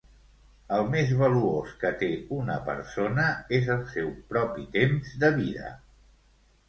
El més valuós que té una persona és el seu propi temps de vida